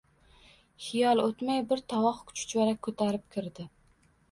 Hiyol o’tmay bir tovoq chuchvara ko’tarib kirdi.